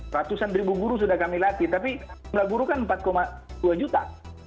ratusan ribu guru sudah kami latih tapi jumlah guru kan empat dua juta